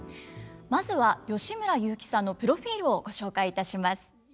まずは吉村雄輝さんのプロフィールをご紹介いたします。